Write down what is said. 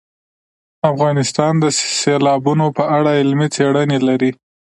افغانستان د سیلابونه په اړه علمي څېړنې لري.